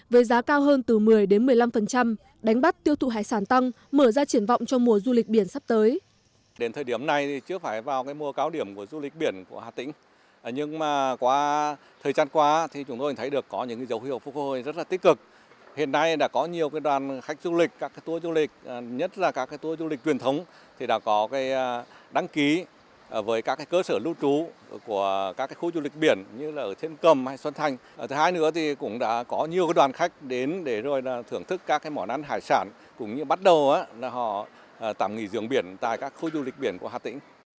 với giá cao hơn từ một mươi đến một mươi năm đánh bắt tiêu thụ hải sản tăng mở ra triển vọng cho mùa du lịch biển sắp tới